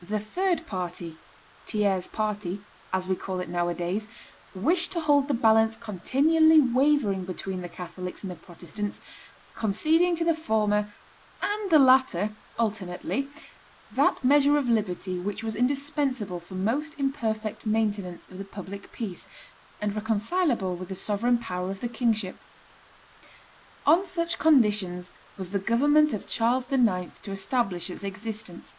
The third party (tiers parti), as we call it nowadays, wished to hold the balance continually wavering between the Catholics and the Protestants, conceding to the former and the latter, alternately, that measure of liberty which was indispensable for most imperfect maintenance of the public peace, and reconcilable with the sovereign power of the kingship. On such conditions was the government of Charles IX. to establish its existence.